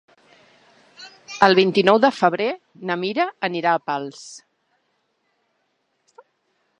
El vint-i-nou de febrer na Mira anirà a Pals.